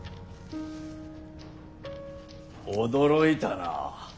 驚いたな。